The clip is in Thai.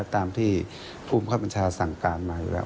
ตามที่ภูมิคับบัญชาสั่งการมาอยู่แล้ว